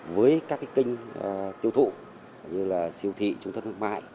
với các kênh tiêu thụ như là siêu thị trung thân hương mại